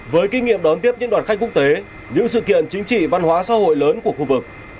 với kinh nghiệm đón tiếp những đoàn khách quốc tế những sự kiện chính trị văn hóa xã hội lớn của khu vực